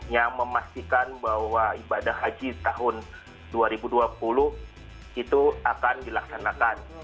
yang memastikan bahwa ibadah haji tahun dua ribu dua puluh itu akan dilaksanakan